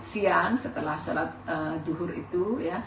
siang setelah sholat duhur itu